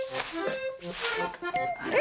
あれ⁉